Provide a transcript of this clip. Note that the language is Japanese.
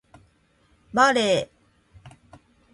バレー